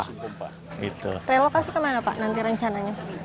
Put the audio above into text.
relokasi ke mana pak nanti rencananya